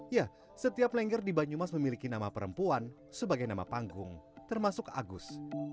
ya setiap lengger di banyumas memiliki nama perempuan sebagai nama panggung termasuk agus